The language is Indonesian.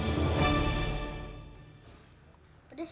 pika pika khasnya pedas